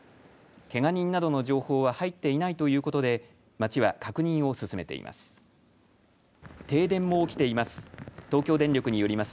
けが人などの情報は入っていないということで町は確認を進めています。